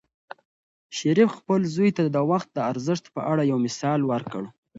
شریف خپل زوی ته د وخت د ارزښت په اړه یو مثال ورکړ.